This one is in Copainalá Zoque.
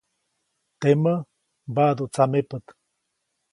Temäʼ mbaʼduʼt tsamepät.